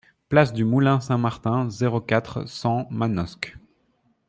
Place du Moulin Saint-Martin, zéro quatre, cent Manosque